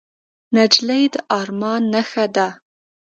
نجلۍ د ارمان نښه ده.